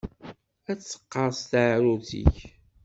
Ad teqqerṣ teɛrurt-ik.